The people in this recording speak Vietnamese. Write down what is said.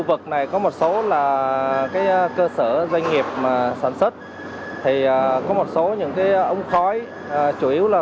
vực này có một số là cái cơ sở doanh nghiệp mà sản xuất thì có một số những cái ống khói chủ yếu là